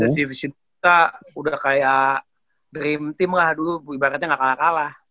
dan divisi dua udah kayak dream team lah dulu ibaratnya gak kalah kalah